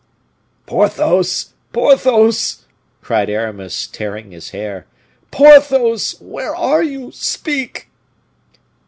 "Porthos! Porthos!" cried Aramis, tearing his hair. "Porthos! where are you? Speak!"